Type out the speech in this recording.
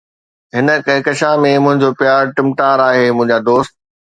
هن ڪهڪشان ۾ منهنجو پيار ٽمٽار آهي، منهنجا دوست